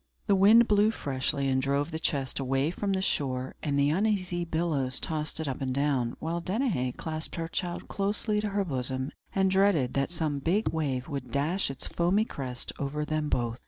The wind blew freshly, and drove the chest away from the shore, and the uneasy billows tossed it up and down; while Danaë clasped her child closely to her bosom, and dreaded that some big wave would dash its foamy crest over them both.